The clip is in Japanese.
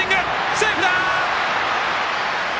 セーフだ！